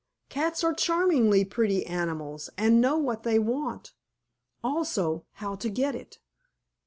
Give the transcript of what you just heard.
Cats are charmingly pretty animals, and know what they want, also how to get it.